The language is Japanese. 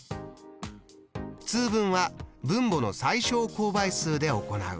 通分は分母の最小公倍数で行う。